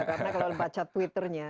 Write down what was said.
karena kalau baca twitternya